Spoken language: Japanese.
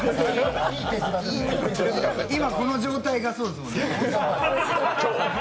今この状態がそうですもんね。